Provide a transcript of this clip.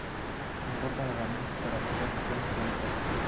Son importantes herramientas para buscar sistemas planetarios.